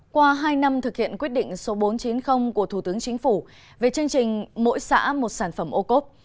qua hai năm thực hiện quyết định số bốn trăm chín mươi của thủ tướng chính phủ về chương trình mỗi xã một sản phẩm ô cốp